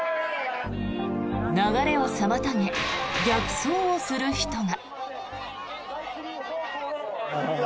流れを妨げ、逆走をする人が。